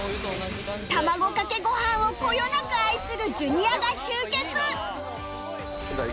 卵かけご飯をこよなく愛する Ｊｒ． が集結！